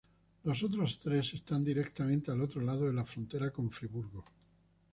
Los otros tres están directamente al otro lado de la frontera con Friburgo.